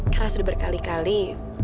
karena sudah berkali kali